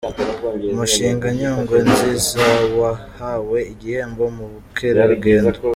Umushinga Nyungwe Nzizawahawe igihembo mu bukerarugendo